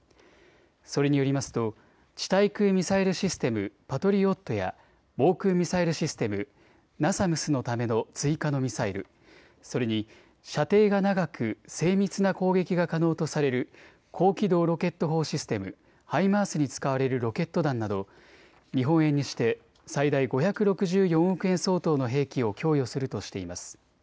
それによりますと地対空ミサイルシステム、パトリオットや防空ミサイルシステム、ナサムスのための追加のミサイル、それに射程が長く精密な攻撃が可能とされる高機動ロケット砲システム・ハイマースに使われるロケット弾など日本円にして最大５６４億円相当の兵器を供与するとしています。